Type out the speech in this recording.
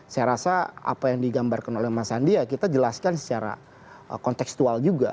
saya rasa apa yang digambarkan oleh mas andi ya kita jelaskan secara konteksual juga